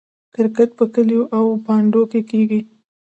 کرکټ په کلیو او بانډو کې کیږي.